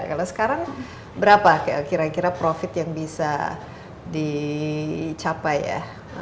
kalau sekarang berapa kira kira profit yang bisa dicapai ya